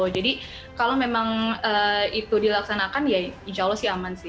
jadi kalau memang itu dilaksanakan ya insya allah sih aman sih